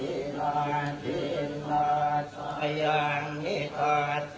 นักโมทรัพย์ภักวะโตอาระโตสัมมาสัมพุทธศาสตร์